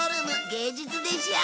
芸術でしょ？